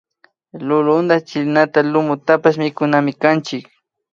Lulunta chilinata lumutapash mikunamikanchik